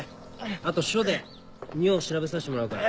あと署で尿調べさせてもらうから。